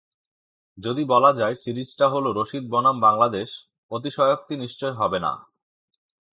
যদি বলা যায় সিরিজটা হলো রশিদ বনাম বাংলাদেশ, অতিশয়োক্তি নিশ্চয় হবে না।